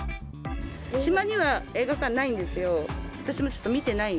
島には映画館ないんですよ。